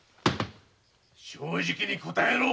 正直に答えろ！